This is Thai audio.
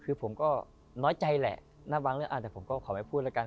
คือผมก็น้อยใจแหละนะบางเรื่องแต่ผมก็ขอไม่พูดแล้วกัน